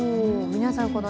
皆さん